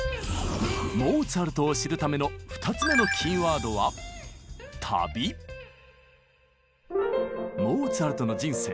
モーツァルトを知るための２つ目のキーワードはモーツァルトの人生。